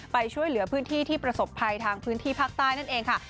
ไปช่วยเหลือพื้นที่ที่ประสบภัยทางพื้นที่ภาคใต้นั่นเองค่ะ